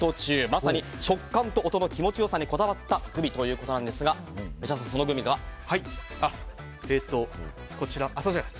まさに食感と音の気持ち良さにこだわったグミということですが武者さん、そのグミとは？